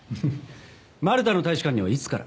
マルタの大使館にはいつから？